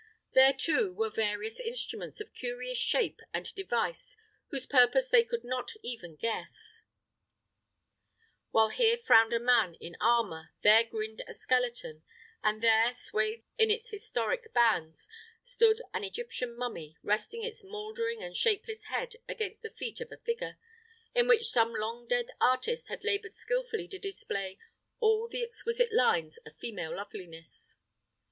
There, too, were various instruments of curious shape and device, whose purpose they could not even guess; while here frowned a man in armour, there grinned a skeleton; and there, swathed in its historic bands, stood an Egyptian mummy, resting its mouldering and shapeless head against the feet of a figure, in which some long dead artist had laboured skilfully to display all the exquisite lines of female loveliness.